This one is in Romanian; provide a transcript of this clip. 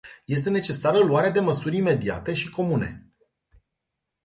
Este necesară luarea de măsuri imediate și comune.